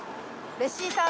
レシーター。